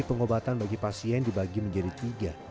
pengobatan bagi pasien dibagi menjadi tiga